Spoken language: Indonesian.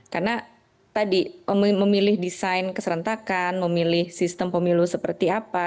karena tadi memilih desain keserentakan memilih sistem pemilu seperti apa